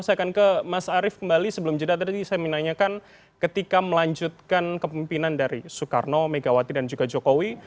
saya akan ke mas arief kembali sebelum jeda tadi saya menanyakan ketika melanjutkan kepemimpinan dari soekarno megawati dan juga jokowi